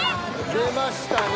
出ましたね。